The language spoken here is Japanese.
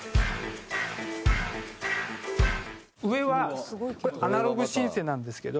上はこれアナログシンセなんですけど。